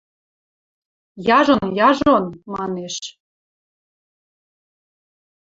– Яжон, яжон, – манеш.